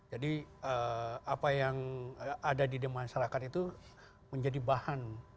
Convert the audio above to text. jadi apa yang ada di di masyarakat itu menjadi bahan